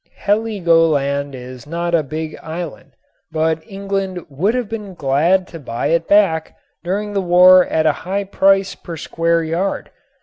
Heligoland is not a big island, but England would have been glad to buy it back during the war at a high price per square yard.